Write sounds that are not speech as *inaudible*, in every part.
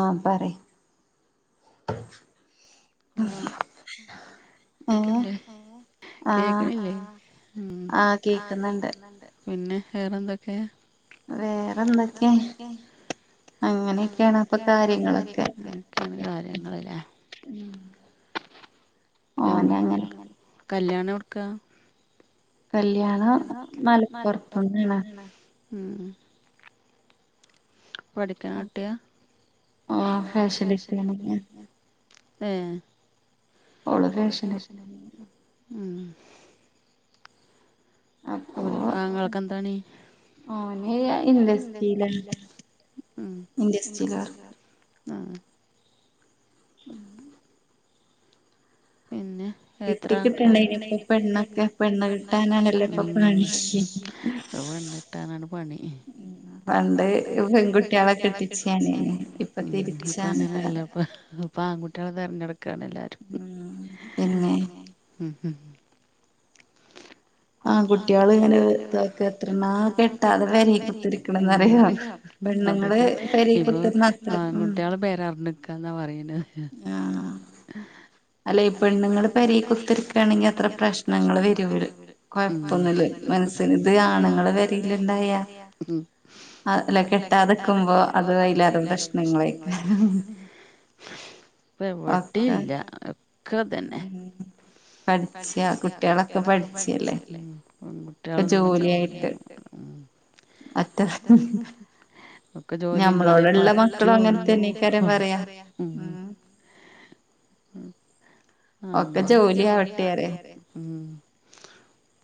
ആഹ് പറയ് ആഹ് എടക്കല്ലേ കേക്കണില്ലേ ആഹ് ഉംഹ് ആഹ് കേക്കുന്നുണ്ട് പിന്നെ വേറെന്തൊക്കെയാ വേറെന്തൊക്കെ അങ്ങനെയൊക്കെയാണ് അപ്പൊ കാര്യങ്ങൾ അങ്ങനൊക്കെയാണ് കാര്യങ്ങളല്ലേ ഉംഹ് എവട കല്യാണം എവിട്ക്കാ കല്യാണം മലപ്പുറത്തുന്നാണ് ഉംഹ് പഠിക്കാൻ വിട്ടയാ ആഹ് ഫേഷ്യല് ഏഹ് ഓള് ഫേഷ്യല് അവൻ ആങ്ങളക്ക് എന്താണ് ഓന് ഇൻഡസ്ട്രിയിലാ ആഹ് ഇൻഡസ്ട്രിയിലാ വർക്ക് ആഹ് *unintelligible* പിന്നെ എത്രാം ടിക്കറ്റുണ്ട്‌ ഇനീപ്പോ പെണ്ണൊക്കെ പെണ്ണ് കിട്ടാനല്ലേ ഇപ്പോ ഫ്രണ്ട്സ് കിട്ടാനാണ് പണി പണ്ട് പെൺകുട്ടികളെ കെട്ടിച്ചേനല്ലേ ഇപ്പൊ അങ്ങനല്ലപ്പാ ഇപ്പൊ ആൺകുട്ടികള തെരഞ്ഞടുക്കാണ് എല്ലാരും ഉംഹ് ന്നെ മ് ആഹ് കുട്ട്യള്ങ്ങനെ എത്രന്നാ കെട്ടാതെ വെരെ കുത്തിരിക്കണന്നറയാ ഉം അതന്നെ ഇപ്പൊ ആൺ കുട്ടികള് പേരാറിണ്ട് ക്കാന്നാ പറയ്ണത് അല്ല ഈ പെണ്ണുങ്ങള് പെരെ കുത്തിരിക്കാണെങ്കി അത്ര പ്രശ്നങ്ങള് വെരൂല അഴപ്പൊന്നുല്ല മനസ്സിന് ഇത് ആണ്ങ്ങള് വെരേല്ണ്ടായ അല്ല കെട്ടാതെക്കുമ്പോ അത് *unintelligible* പ്രശ്നങ്ങളായി പ്പെവിടെല്ല ക്ക് അതന്നെ പഠിച്ച കുട്ടികളൊക്കെ പഠി ച്ചെല്ലെ പെൺകുട്ട്യളൊന്നും ജോലിയായിട്ട് അത ഒക്കെ ജോലില്ലോലെ പറ്റുള്ളൂ ഉം അങ്ങ ഓക്ക് ജോലി ആവട്ടെറയാ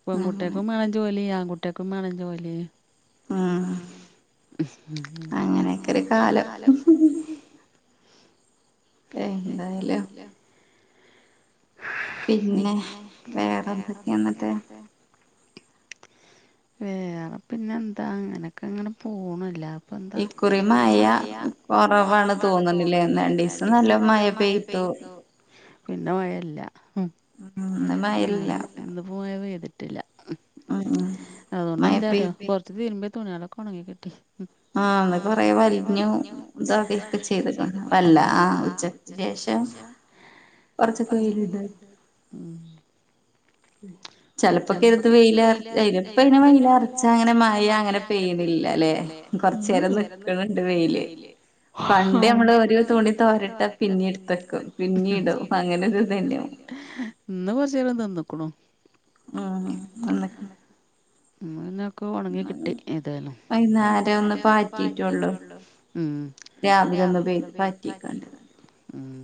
പെംകുട്ട്യക്കും വേണം ജോലി ആംകുട്ട്യക്കും വേണം ജോലി ആഹ് അങ്ങനെക്കൊര് കാലം ഏ എന്തായാലു പിന്നെ വേറെന്തെക്കെയാന്നിട്ട് വേറെ പിന്നെന്താ അങ്ങനക്കെങ്ങട് പോണല്ലാ പ്പെന്താ ഇക്കുറി മയ കൊറവാണ് തൊന്ന്ണ് ലെ രണ്ടീസം നല്ല മയ പെയ്തു പിന്നെ മയല്ല ഹ്മ്മ് ഇന്ന്പ്പൊ മയ പെയ്തിട്ടില്ല ഹ്മ്മ് അതോണ്ടെന്താറിയോ കൊ തിരിമ്പ്യ തുണിയളൊക്കെ ഒണങ്ങി കിട്ടി ആഹ് ന്ന് കൊറെ വലിഞ്ഞു *unintelligible* ടിക്കെ ചെയ്ത്ട്ടൊണ്ട് വല്ലാ ആ ഉച്ചക്കേഷം കൊറച്ചൊക്കെ വെയില് ണ്ട് ഹ്മ്മ് ഉം ചിലപ്പോക്കെരുതും വെയില *unintelligible* വെയിലാറിച്ചാ ങ്ങനെ മഴ ങ്ങനെ പെയ്യിണില്ലാലെ ഹ്മ്മ് കോറചേരം നിക്ക്ണ് ണ്ട് വെയില് മറ്റേമ്മള് ഓരോ തുണി തോരട്ട പിന്നീടുത്തക്കും പിന്നീടു പ്പങ്ങനൊരു തന്നെ ഇന്ന് കൊറച്ചേരം തന്നക്കണു ഹ്ഹ് *unintelligible* ഇമ്മനെക്കെ ഒണങ്ങി കിട്ടി ഏതായാലും വൈന്നേരം ഒന്ന് പാറ്റിട്ടൊള്ളു ഹ്മ്മ് രാവിലെ ഒന്ന് പെയ് പാറ്റി ഉം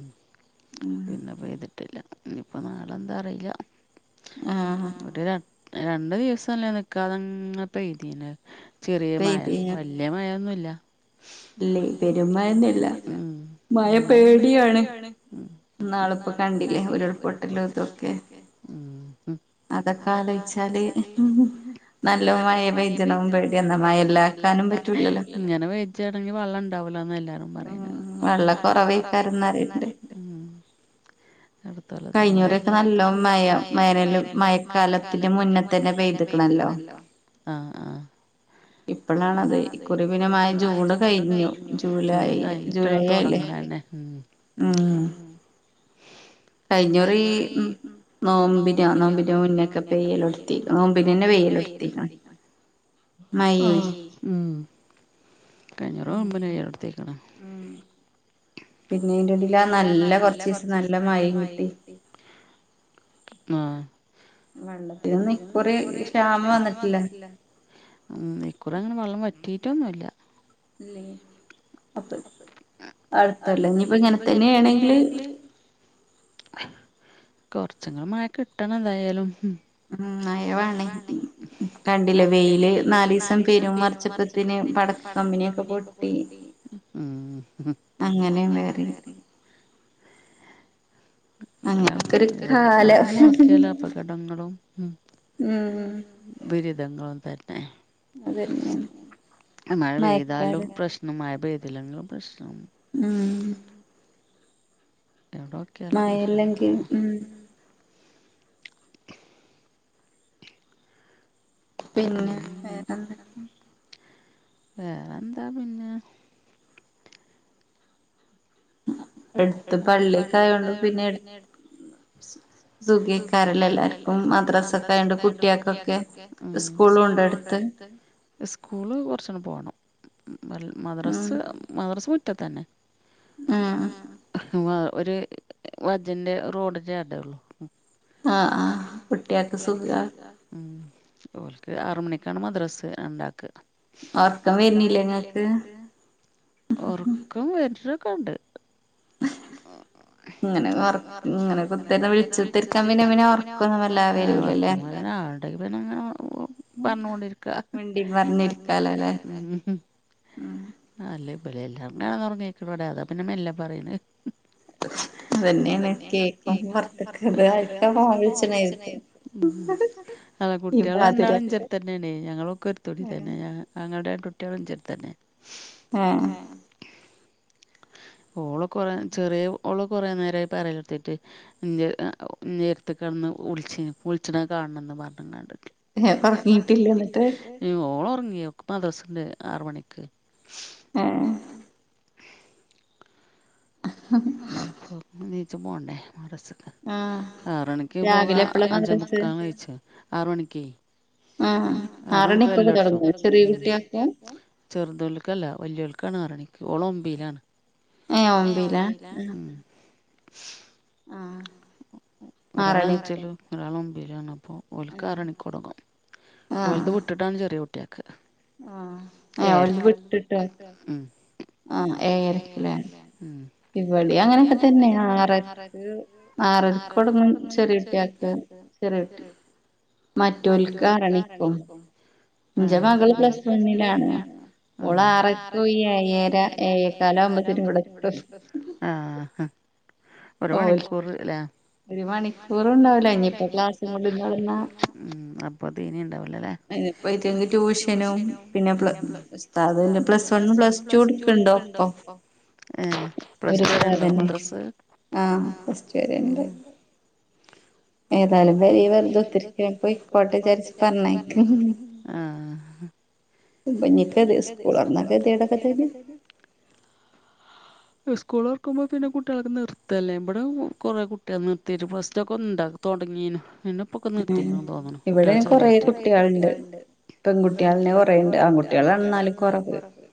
പിന്ന പെയ്തിട്ടില്ല ഇനിപ്പൊ നാളെന്താറീല്ല ഹ്മ്മ് ഒര് രണ് ഒരു രണ്ട് ദിവസല്ലേ നിക്കാതങ്ങ് പെയ്തിന്നാ ചെറിയ മയ വല്ല്യ മയൊന്നുല്ല ഇല്ലേ പെരും മയൊന്നുല്ല ഹ്മ്മ് മയ പേടിയാണ് ന്നാളിപ്പോ കണ്ടിലെ ഉരുൾപൊട്ടലു തൊക്കെ ഉം ഉം. അതക്കാലോയ്ച്ചാല് ഹ് ഹ് നല്ലോ മയ പെജ്ജണം പേട്യന്നെ മയ ലാകാന ഇങ്ങനെ പെജ്ജാണെങ്കി വള്ളണ്ടാവുലന്ന എല്ലാരും പറിണ്. വള്ള കൊറവേക്കാരന്നാല് ഉം. കയ്ഞ്ഞുറ്യൊക്കെ നല്ലോം മയ മേനല് മഴക്കാലത്തിന്റെ മുന്നെ തന്നെ പെയ്ത്ക്ക്ണല്ലോ. ആഹ് ആഹ് ഇപ്പളാണതേ ഇകുറി പിന്നെ മായം ചൂട് കയ്ഞ്ഞു. ആഹ് തൊടങ്ങണന്നെ ഉം ഉം ഉം കഴിഞ്ഞൊറി ഉം നോമ്പിന നോമ്പിന് മുന്നേക്കെ പെയ്യലൊടുത്തി. നോമ്പിനന്നെ പെയ്യലൊടുത്തിക്കണ്. ആഹ് ഉം കഴ്ഞ്ഞൊറ ഒമ്പന് എടുത്തേക്കണ്. ഉം പിന്നെ ഇന്റെടെയിലാ നല്ല കൊറച്ചീസം നല്ല മയെം കിട്ടി. മാ വെള്ളത്തിനൊന്നും ഇക്കുറി ക്ഷാമം വന്നിട്ടില്ല. ഉം ഇക്കുറങ്ങനെ വള്ളം വറ്റീട്ടൊന്നുല്ല. *unintelligible* അടുത്തൊല്ലനീപ്പങ്ങനെ തന്നെയണെങ്കില്. കൊറച്ചങ്ങളും മഴ കിട്ടണന്തായാലും. ഉം മയ വേണേ. കണ്ടില്ലേ വെയില് നാല് ദിവസം പെരും അർച്ചപ്പത്തിന് പടക്ക കമ്പിനിയൊക്കെ പൊട്ടി. ഉ അങ്ങനെ വേറി അങ്ങനക്ക ഒരു കാലം ദുരിദങ്ങളും തന്നെ മഴ പെയ്താലും പ്രശ് ഇന്ന് മഴ പെയ്യിത്തിലെങ്കിലും പ്രശ്നം ഉം എടോ കേൾക്ക മ *unintelligible* പിന്നെ വേറെന്താ പിന്നെ എടുത്ത് പള്ളിക്കെ ആയോണ്ട് പിന്നെ ട്- സുഗികാരല്ലാല്ലാറുക്കും മദ്രാസൊക്കെ ആയൊണ്ട് കുട്ടികക്ക്‌ ഒക്കെ സ്കൂൾ ഒണ്ട് അടുത്ത് സ്കൂള് കുറച്ചങ്ങ് പോണം മദ്രസ് മദ്രസ് മുറ്റത്ത് തന്നെ ഉം ഒരു വജന്റെ റോഡിന്റെ അടേ ഉള്ളു ആഹ് ആഹ് കുട്ടിയക്ക്‌ സുഖ ഉ ഓല്ക്ക്‌ ആറു മണിക്കാണ് മദ്രാസ് രണ്ടാക്ക് ഒറക്കം വരിന്നില്ലേ ഇങ്ങക്ക് ഒറക്കം വരൊക്കെ ഒണ്ട് ഉം ഉം ഇങ്ങനെ ഓറ് ഇങ്ങനെ കുത്തി വിളിച്ചുതർക്കാണ് പിന്നെ പിന്നെ ഒറക്കൊന്നും വരാതെ വർത്താനം പറയാൻ ആള് അല്ലെങ്കിൽ പിന്നങ്ങനെ പറഞ്ഞൊണ്ടിരിക്കാം മിണ്ടി പറഞ്ഞ് അങ്ങ് ഇരിക്കാല്ലേ ഉം ഉം അല്ല ഇപള് എല്ലാം കെടന്നോറങ്ങിയരിക്കുവോള്ളു പെണ്ണേ അതാ പിന്നെ മെല്ലെ പറയണ് അതന്നെയാണ് കേക്കും *unintelligible* ഫോൺ വിളിച്ചിനെ അതെ കുട്ടികള് രണ്ടാളും ഇന്തട്തന്നെ തന്നെയാണ് ഞങ്ങളൊക്കകെ ഒരുത്തോടിതന്നെ ഞങ്ങളുടെ കുട്ടികളും ഇണ്ടട്തന്നെ തന്നെ ഉം ഓളും കൊറേ ചെറിയ ഓള് കൊറേ നേരായി പറയടുത്തിട്ട് *unintelligible* ഇന്ടെ അടുത്ത് കിടന്ന് ഒളിച്ച് ഒളിച്ച് കാണണന്ന് പറഞ്ഞ് ഏഹ അപ്പൊ അപ്പറങ്ട്ടില്ലേ എന്നിട്ട് ഏയ്യ് ഓള് ഒറങ്ങി അവക്ക് മദ്രസ്ണ്ട് ആറ് മണിക്ക് *unintelligible* അപ്പോ നീച്ച പോകണ്ടേ മറസ്സ് ആറ് മണിക്ക് പോക അഞ്ച മുക്ക നീച്ചും ആറ് മണിക്ക് ആ ആ ആറ് മണിക്ക് ബെല്ലടചോളും ചെറിയ കുട്ടിയക്കും ചെറുതുകൾക്ക് അല്ലാ വല്ലിയവൾക്ക് ആണ് ആറ് മണിക്ക് ഓള് ഒമ്പയിലാണ് ഏ ഒമ്പിലാ ആ ഒരാള് അഞ്ചിലും ഒരാള് ഒമ്പയിലും ആണ് അപ്പൊ ഓലക്ക് ആറ് മണിക്ക് തൊടങ്ങും ഓലത് വിട്ടിട്ടാണ് ചെറിയ കുട്ടിയക്ക്‌ എയർക്ക് വീട്ടിട്ടാ എയർയ്ക്ക് ഉം ഇവടിം അങ്ങനെയൊക്കെ തന്നെ ആ ആറക്കോടന്നും ചെറിയ കുട്ടിയക്ക് *unintelligible* മറ്റുൽക്ക് ആരണിക്കും എ മകള് പ്ലസ് വണ്ണിലാ ഓൾ ആറക്ക് പോയി ഏയാരാ ഏയെ കാൽ ആകുമ്പത് ആഹ ഒരു മണിക്കൂർല്ലേ ഒരു മണിക്കൂറ ഉണ്ടാവല ഇനിയിപ്പ ക്ലാസ് കൊന്ന്ന്ന ഉം അപ്പൊ തീനീ ഇണ്ടാവൂ *unintelligible* ട്യൂഷനും പിന്നെന്നെഒസ്താദും പ്ലസ് വൺ പ്ലസ് ടു എടുക്ക *unintelligible* ഏ പ്ലസ്റ്റരെണ്ടോ മദ്രാസ് ഏതായാലും പെരീൽ വെറുതെ ഇരിക്കാൻ പൊയ്ക്കോട്ടേ വിചാരിച്ച പറഞ്ഞേക്ക ഞ്ഞിക്ക സ്കൂൾന്ന കേത്ടൊക്കെ തെന്നെ സ്കൂള് റക്കുമ്പോ പിന്നെ കുട്ടികളൊക്കെ നിർത്തല്ലേ ഇമ്മടെ കുറെേ കുട്ടികളെ നിർത്തിയിട്ടും ഫസ്റ്റ്ക്കെ ഒന്ന ഉണ്ടാക്കും തുടങ്ങീനു പിന്നെപ്പൊക്കെ നിർത്തിന്ന് തോന്നുന്നു കുട്ടികൾ *unintelligible* കുറേ കുട്ടികൾ ഉണ്ട്. പെൺകുട്ടികളന്നെ കൊറേയൂണ്ട്, ആൺകുട്ടികൾ എന്നാലും കൊറവ്.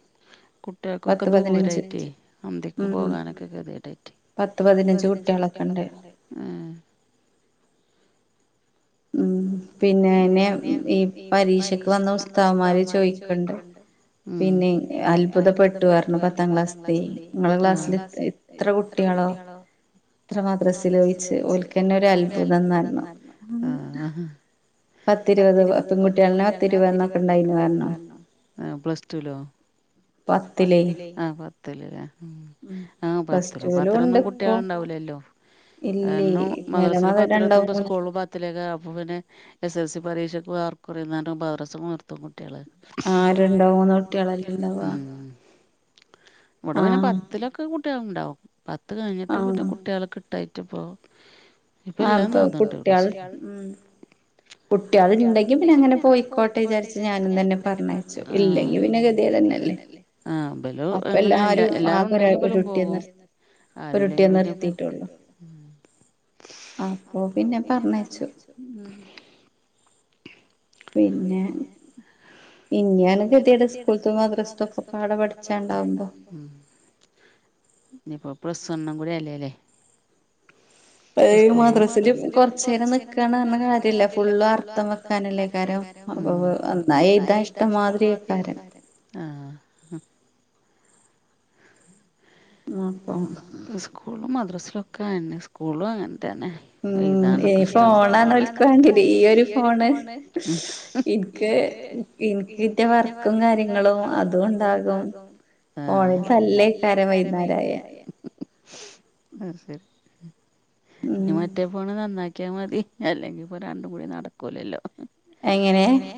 കുട്ടികൾക്കൊക്കെ ദൂര ഏഹ് അന്ത്യക്ക് പോകാനൊക്കെ *unintelligible* പത്ത് പതിനഞ്ച് കുട്ടികളൊക്കെണ്ട്. ഉമ് പിന്നെെ നേ ഈ പരീക്ഷക്ക് വന്ന ഉസ്താദന്മാര് ചോദിക്കണ്ട് മ്മ്ഹ പിന്നെ അത്ഭുതപ്പെട്ടുആരുന്നു പത്താം ക്ലാസ്സിത്തെ പത്താം ക്ലാസ്സല് എത്ര കുട്ടികളോ? *unintelligible* ഓൽക്കന്നെ ഒരു അത്ഭുതംന്നരുന്ന് ആഹാ പത്തിരുപത് പെൺകുട്ടികളന്നെ പത്തിരുപതെണ്ണോക്കെ ഇണ്ടായിന്ന് പറഞ്ഞു. ആഹ് പ്ലസ് ടു ലോ? പത്തില്. ആഹ് പത്തിലല്ലേ? ആഹ പത്രോ പത്രൊന്നും കുട്ടികളുണ്ടാവൂലല്ലോ എന്നാ മദ്രസെല് പത്തിരവത്തൊമ്പ സ്കൂള് ത്തിലേക്ക് ആവുപ്പിനെ എസ് എസ് എൽ സി പരീക്ഷക്ക് മാർക്ക് കുറയുന്നോണ്ട് മദ്രസ നിർത്തും കുട്ടികള് ആ രണ്ടോ മൂന്നോ കുട്ടികളല്ല.. മ്മഹ് അവിടെ പിന്നെ പത്തിലൊക്കെ കുട്ടികളുണ്ടാവും പത്ത് കഴിഞ്ഞിട്ട് പിന്നെ കുട്ടികളെ കിട്ടായി പ്പോ ഇപ്പ എല്ലാം *unintelligible* കുട്ടികൾ ഉണ്ടെങ്കി പിന്നെ അങ്ങനെ പോയിക്കോട്ടെ വിചാരിച്ചു ഞാനും തന്നെ പറഞ്ഞയച്ച് ഇല്ലെങ്കി പിന്നെ ഗതികേട്ന്നെ ആഹ ബലും എങ്ങനെയല്ല എല്ലാരും ഉണ്ടെങ്കി ബലും പോകും ആരുംല്ലെങ്കി *unintelligible* ഇവിടെ നിർത്തീട്ടെ ഉള്ളു മ്മ്ഹ് അപ്പോ പിന്നെ പറഞ്ഞയച്ചു. പിന്നെ *unintelligible* ഗതിടെ സ്കൂളത്ത് മദ്രസത്തൊക്കെ പാടെ പഠിച്ചാണ്ടാവുംപോ ഇനിയിപ്പോ പ്ലസ് ഒണ്ണും കൂടെ അല്ലേ അല്ലേ? മദ്രസെല് കൊറച്ചു നേരം നിക്കണ ന്ന കാര്യല്ല ഫുള്ള് അർത്ഥം വെക്കാനല്ലേ കാര്യ *inaudible* സ്കൂളും മദ്രാസിലൊക്കെ അന്നെ സ്കൂളും അങ്ങനതന്നെ ഇതാണ് കഷ്ടം, ഈ ഫോണണവൾക്ക് ഈയൊരു ഫോണ് ഇക്ക് എനിക്കിട്ടിയ വർക്കും കാര്യങ്ങളും അതും ഉണ്ടാകും തല്ലേക്കാരൻ വൈകുന്നേരായി അത് ശരി നി മറ്റേഫോണ് നന്നാക്കിയാ മതി. അല്ലെങ്കി ഇപ്പൊ രണ്ടും കൂടി നടക്കൂലല്ലോ. എങ്ങനെ?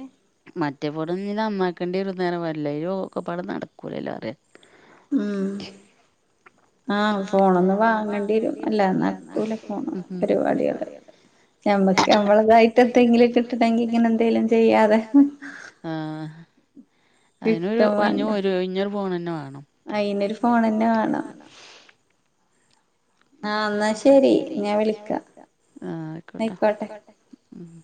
മറ്റേഫോണും ഇനി നന്നാക്കേണ്ടി വരുന്നേരം വല്ല ഒക്കെ പാട നടക്കൂലല്ലോ അറി മഹ് ആഹ് ഫോണൊന്നു വാങ്ങേണ്ടിരും അല്ല നക്കൂല ഫോണ് പരിപാടികള് മ്മക്ക് നമ്മളതായിട്ട് എന്തെങ്കിലും കിട്ടണമെങ്കി ഇങ്ങനെ എന്തെലും ചെയ്യാതെ ആ അതിനൊരു ഇ ഒരു ഇഞ്ഞര് ഫോൺ തന്നെ വാങ്ങണം അയ്ന് ഒരു ഫോൺന്നെ വേണം ആഹ് എന്നാ ശരി ഞാൻ വിളിക്കാം ആഹ് ആക്കോട്ടെ ആയിക്കോട്ടെ മഹ്